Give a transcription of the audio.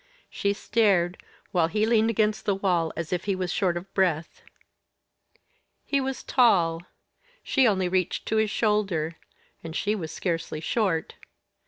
She stared, while he leaned against the wall as if he was short of breath. He was tall; she only reached to his shoulder, and she was scarcely short.